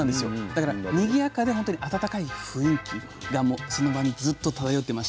だからにぎやかで温かい雰囲気がもうその場にずっと漂ってました。